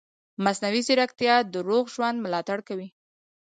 مصنوعي ځیرکتیا د روغ ژوند ملاتړ کوي.